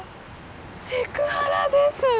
セクハラです。